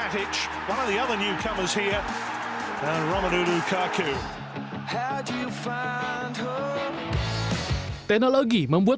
teknologi membuat pengalaman yang sangat penting